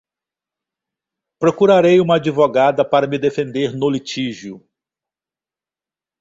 Procurarei uma advogada para me defender no litígio